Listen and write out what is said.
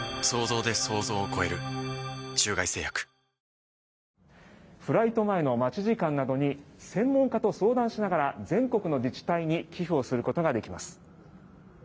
ＪＴフライト前の待ち時間などに専門家と相談しながら全国の自治体に寄付をすることができます。